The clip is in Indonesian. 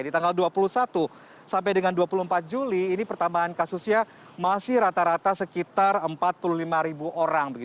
di tanggal dua puluh satu sampai dengan dua puluh empat juli ini pertambahan kasusnya masih rata rata sekitar empat puluh lima ribu orang